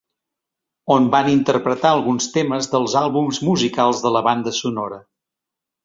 On van interpretar alguns temes dels àlbums musicals de la banda sonora.